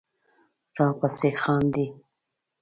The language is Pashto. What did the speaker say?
راپسې خاندې